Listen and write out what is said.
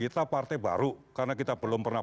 kita partai baru karena kita belum pernah